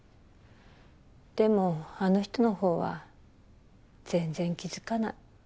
でもあの人のほうは全然気付かない。